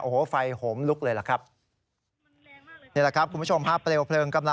โอ้โหไฟโหมลุกเลยแหละครับ